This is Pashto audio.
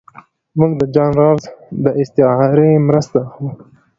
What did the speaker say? موږ د جان رالز د استعارې مرسته اخلو.